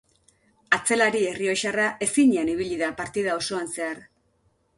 Atzelari errioxarra ezinean ibili da partida osoan zehar.